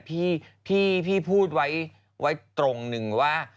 พี่พูดไว้ตรงหนึ่งว่า